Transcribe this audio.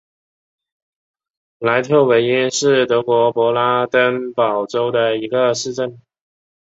赖特韦因是德国勃兰登堡州的一个市镇。